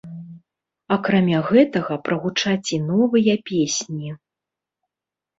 Акрамя гэтага прагучаць і новыя песні.